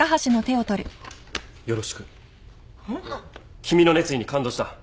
君の熱意に感動した。